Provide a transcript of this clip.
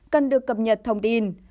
cần được cập nhật thông tin